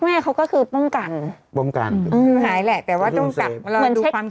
แม่เขาก็คือป้องกันหายแล้วแต่ต้องเอาไปดูความชัวร์จึง